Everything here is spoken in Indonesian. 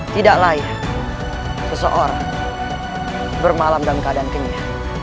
tidak layak seseorang bermalam dalam keadaan kenyataan